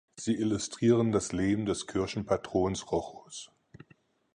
Sie illustrieren das Leben des Kirchenpatrons Rochus.